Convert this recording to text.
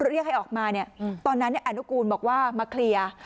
เรียกให้ออกมาเนี่ยตอนนั้นอนุกูลบอกว่ามาเคลียร์